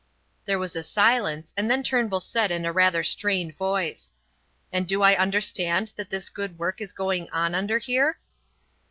There was a silence, and then Turnbull said in a rather strained voice: "And do I understand that this good work is going on under here?"